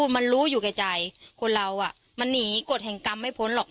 มันรู้อยู่แก่ใจคนเรามันหนีกฎแห่งกรรมไม่พ้นหรอก